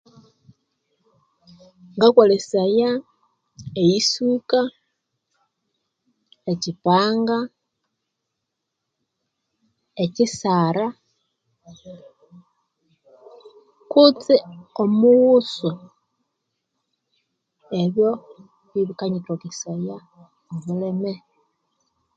Ngakolesaya eyisuka ekipanga ekisara kutse omughusu ebyo byebikanithokesaya obulime